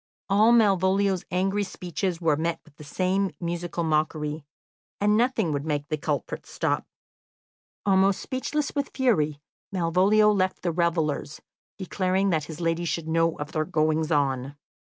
All Malvolio's angry speeches were met with the same musical mockery, and nothing would make the culprits stop. Almost speechless with fury, Malvolio left the revellers, declaring that his lady should know of their goings on.